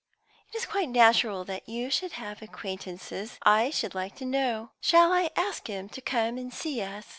"It is quite natural that you should have acquaintances I should like to know. Shall I ask him to come and see us?"